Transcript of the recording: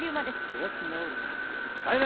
開き直るなとっとと帰れ！